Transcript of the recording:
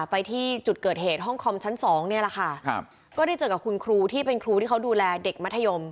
ไปที่จุดเกิดเหตุห้องคอมชั้นสองเนี่ยแหละค่ะครับก็ได้เจอกับคุณครูที่เป็นครูที่เขาดูแลเด็กมัธยม